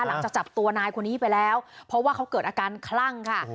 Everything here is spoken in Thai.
หลังจากจับตัวนายคนนี้ไปแล้วเพราะว่าเขาเกิดอาการคลั่งค่ะ